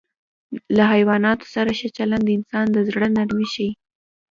له حیواناتو سره ښه چلند د انسان د زړه نرمي ښيي.